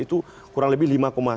itu kurang lebih